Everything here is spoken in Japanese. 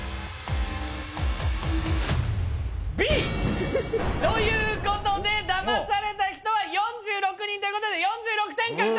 Ｂ！ということで騙された人は４６人ということで４６点獲得！